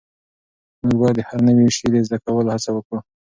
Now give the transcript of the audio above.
موږ باید د هر نوي سی د زده کولو هڅه وکړو.